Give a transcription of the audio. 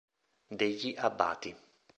Degli Abbati